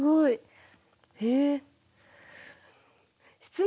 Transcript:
へえ。